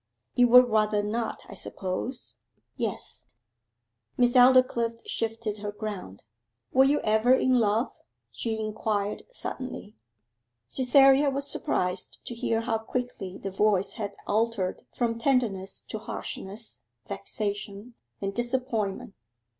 'You would rather not, I suppose?' 'Yes.' Miss Aldclyffe shifted her ground. 'Were you ever in love?' she inquired suddenly. Cytherea was surprised to hear how quickly the voice had altered from tenderness to harshness, vexation, and disappointment.